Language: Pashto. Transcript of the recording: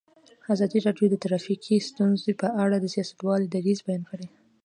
ازادي راډیو د ټرافیکي ستونزې په اړه د سیاستوالو دریځ بیان کړی.